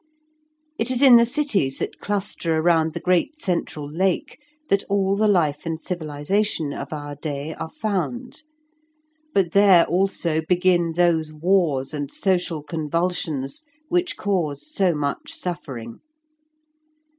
It is in the cities that cluster around the great central lake that all the life and civilization of our day are found; but there also begin those wars and social convulsions which cause so much suffering.